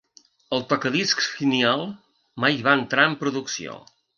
El tocadiscs Finial mai van entrar en producció.